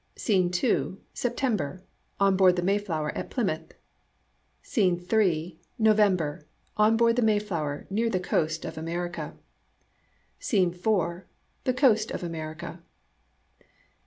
SCENE II. September. On board the Mayflower at Plymouth. SCENE III. November. On board the Mayflower near the coast of America. SCENE IV. The coast of America.